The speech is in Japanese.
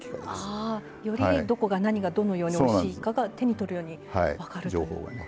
よりどこが何がどのようにおいしいかが手に取るように分かるという情報をね。